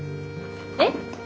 えっ？